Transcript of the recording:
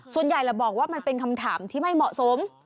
ส่วนใหญ่แล้วบอกว่ามันเป็นคำถามที่ไม่เหมาะสม